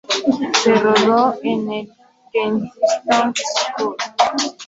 Se rodó en el Kensington School.